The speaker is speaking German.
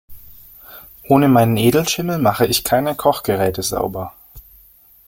Ohne meinen Edelschimmel mach ich keine Kochgeräte sauber.